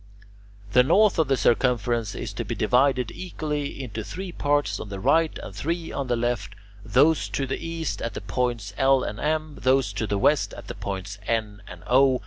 The rest of the circumference is to be divided equally into three parts on the right and three on the left, those to the east at the points L and M, those to the west at the points N and O.